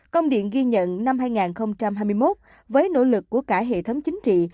công điện ghi nhận năm hai nghìn hai mươi một với nỗ lực của cả hệ thống chính trị